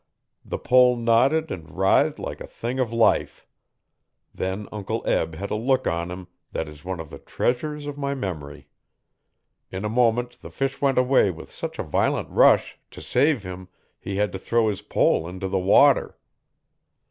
The pole nodded and writhed like a thing of life. Then Uncle Eb had a look on him that is one of the treasures of my memory. In a moment the fish went away with such a violent rush, to save him, he had to throw his pole into the water.